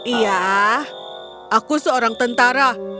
iya aku seorang tentara